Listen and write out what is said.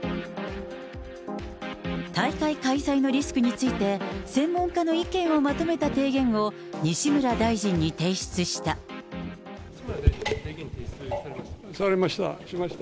大会開催のリスクについて、専門家の意見をまとめた提言を西村大臣に提出した。